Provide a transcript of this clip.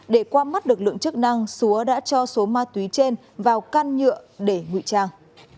để qua mắt lực lượng chức năng xúa đã cho số ma túy trên vào can nhựa để ngụy trang